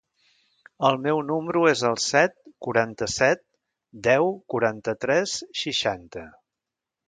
El meu número es el set, quaranta-set, deu, quaranta-tres, seixanta.